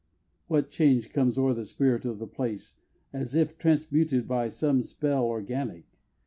What change comes o'er the spirit of the place, As if transmuted by some spell organic?